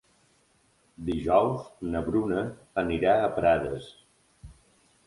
Dijous na Bruna anirà a Prades.